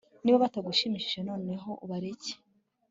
niba batagushimishije noneho ubareke